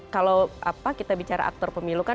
kalau kita bicara aktor pemilu kan